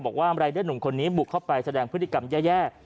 รายเดอร์หนุ่มคนนี้บุกเข้าไปแสดงพฤติกรรมแย่